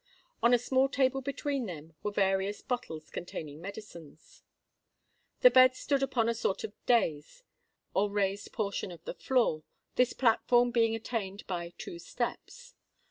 On a small table between them were various bottles containing medicines. The bed stood upon a sort of dais, or raised portion of the floor, this platform being attained by two steps.